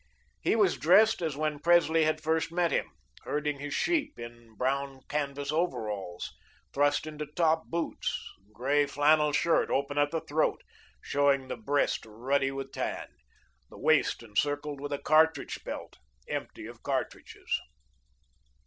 He was dressed as when Presley had first met him, herding his sheep, in brown canvas overalls, thrust into top boots; grey flannel shirt, open at the throat, showing the breast ruddy with tan; the waist encircled with a cartridge belt, empty of cartridges.